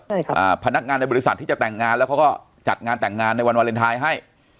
ใช่ครับอ่าพนักงานในบริษัทที่จะแต่งงานแล้วเขาก็จัดงานแต่งงานในวันวาเลนไทยให้